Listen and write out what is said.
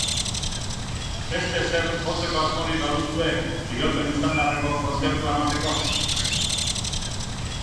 Beste ezer jotzeko asmorik baduzue, iraupen estandarreko kontzertua emateko?